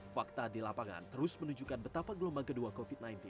fakta di lapangan terus menunjukkan betapa gelombang kedua covid sembilan belas